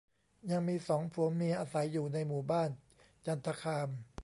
ยังมีสองผัวเมียอาศัยอยู่ในหมู่บ้านจันทคาม